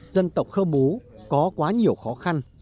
dân tộc khơ mú có quá nhiều khó khăn